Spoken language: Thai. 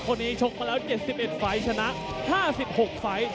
ชกมาแล้ว๗๑ไฟล์ชนะ๕๖ไฟล์